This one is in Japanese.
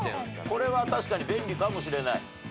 これは確かに便利かもしれない。